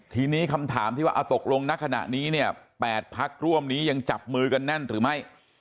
ทีนี้คำถามที่ว่าตกลงณขณะนี้เนี่ย๘พักร่วมนี้ยังจับมือกันแน่นหรือไม่